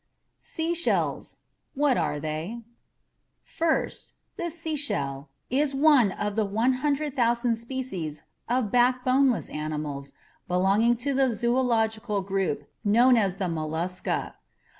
SEASHELLS. . .WHAT ARE THEY? First, a seashell is one of the 100,000 species of backboneless animals belonging to the zoological group known as the Mollusca.